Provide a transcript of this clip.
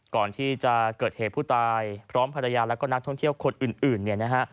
ก่อนที่จะเกิดเหตุผู้ตายพร้อมภรรยาและก็นักท่องเที่ยวคนอื่น